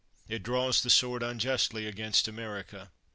It draws the sword unjustly against America.